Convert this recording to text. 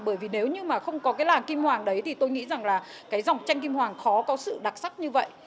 bởi vì nếu như mà không có cái làng kim hoàng đấy thì tôi nghĩ rằng là cái dòng tranh kim hoàng khó có sự đặc sắc như vậy